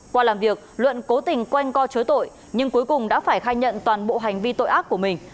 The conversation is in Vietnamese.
qua làm việc luận cố tình quanh co chối tội nhưng cuối cùng đã phải khai nhận toàn bộ hành vi tội ác của mình